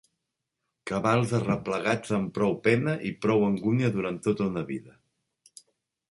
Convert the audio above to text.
Cabals arreplegats amb prou pena i prou angúnia durant tota una vida